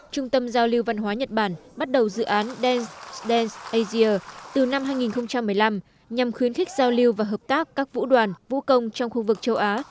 trung tâm giao lưu văn hóa nhật bản bắt đầu dự án dance dance asia từ năm hai nghìn một mươi năm nhằm khuyến khích giao lưu và hợp tác các vũ đoàn vũ công trong khu vực châu á